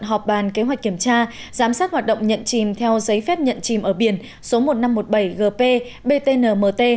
họp bàn kế hoạch kiểm tra giám sát hoạt động nhận chìm theo giấy phép nhận chìm ở biển số một nghìn năm trăm một mươi bảy gp btnmt